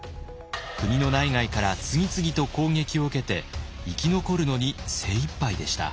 国の内外から次々と攻撃を受けて生き残るのに精いっぱいでした。